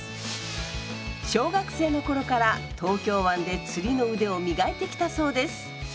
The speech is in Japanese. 小学生の頃から東京湾で釣りの腕を磨いてきたそうです。